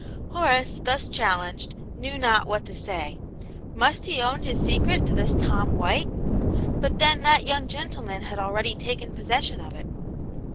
Horace thus challenged, knew not what to say. Must he own his secret to this Tom White } But then that young gentleman had already taken pos session of it.